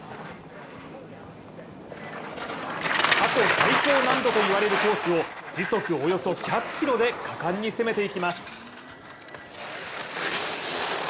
過去最高難度といわれるコースを時速およそ１００ｋｍで果敢に攻めていきます。